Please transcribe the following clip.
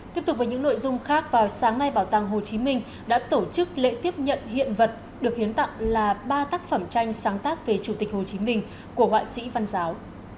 tiếp tục với những nội dung khác vào sáng nay bảo tàng hồ chí minh đã tổ chức lễ tiếp nhận hiện vật được hiến tặng là ba tác phẩm tranh sáng tác về chủ tịch hồ chí minh của họa sĩ văn giáo